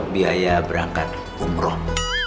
biaya berangkat umroh